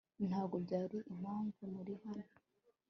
ntabwo byari impamvu nari hano